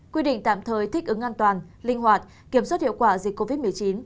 quy định tạm thời thích ứng an toàn linh hoạt kiểm soát hiệu quả dịch covid một mươi chín